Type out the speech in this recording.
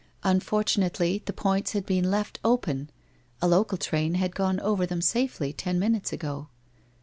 Unfortunately the points had been left open; a local train had gone over them safely ten minutes ago.